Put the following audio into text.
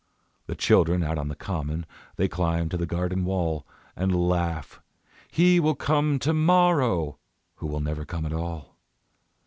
The children out on the common: They climb to the garden wall; And laugh: "He will come to morrow!" Who never will come at all.